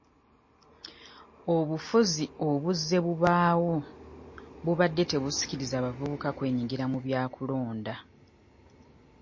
Obufuzi obuzze bubaawo bubadde tebusikiriza bavubuka kwenyigira mu bya kulonda.